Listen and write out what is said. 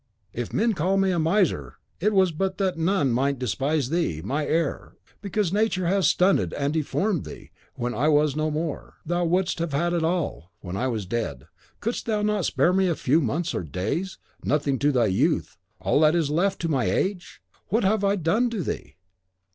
If men call me a miser, it was but that none might despise thee, my heir, because Nature has stunted and deformed thee, when I was no more. Thou wouldst have had all when I was dead. Couldst thou not spare me a few months or days, nothing to thy youth, all that is left to my age? What have I done to thee?"